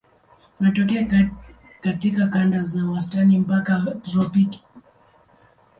Wanatokea katika kanda za wastani mpaka tropiki.